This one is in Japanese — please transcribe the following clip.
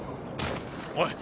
おい。